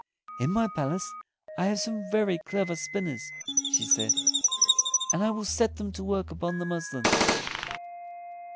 "In my palace I have some very clever spinners," she said; "and I will set them to work upon the muslin."